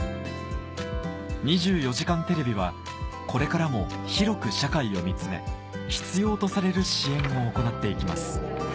『２４時間テレビ』はこれからも広く社会を見つめ必要とされる支援を行っていきます